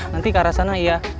nanti ke arah sana iya